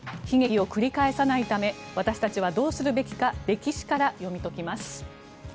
悲劇を繰り返さないため私たちはどうするべきか歴史から読み解きます。